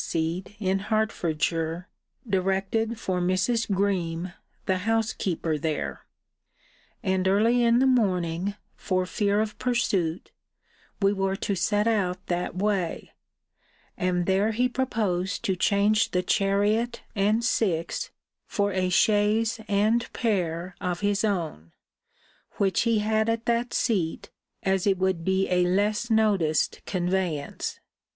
's seat in Hertfordshire, directed for Mrs. Greme, the housekeeper there. And early in the morning, for fear of pursuit, we were to set out that way: and there he proposed to change the chariot and six for a chaise and pair of his own, which he had at that seat, as it would be a less noticed conveyance.